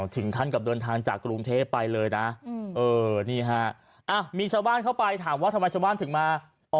ถึงขั้นกับเดินทางจากกรุงเทพไปเลยนะนี่ฮะมีชาวบ้านเข้าไปถามว่าทำไมชาวบ้านถึงมา